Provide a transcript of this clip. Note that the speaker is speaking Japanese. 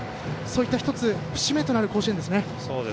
そういった１つ節目となる甲子園ですね。